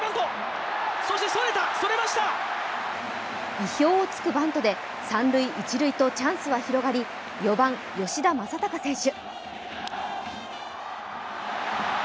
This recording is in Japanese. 意表を突くバントで三塁、一塁とチャンスが広がり、４番・吉田正尚選手。